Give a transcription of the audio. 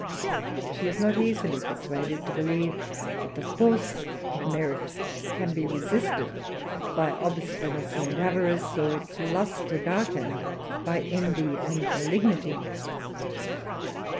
She is not easily persuaded to believe that the force of merit can be resisted by obstinacy and avarice, or its lustre darkened by envy and malignity.